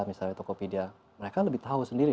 misalnya tokopedia mereka lebih tahu sendiri